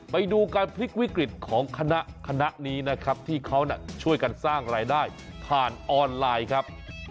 ไปดูการพลิกวิกฤตของคณะคณะนี้นะครับที่เขาช่วยกันสร้างรายได้ผ่านออนไลน์ครับ